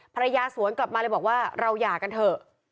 ภรรยาสวนกลับมาเลยบอกว่าเราหย่ากันเถอะ